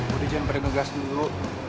bo di jemperin ke gas dulu